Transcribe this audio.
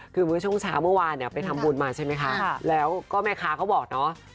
คือเมื่อช่วงเช้าเมื่อวานเนี่ยไปทำบุญมาใช่ไหมคะแล้วก็แม่ค้าเขาบอกเนาะ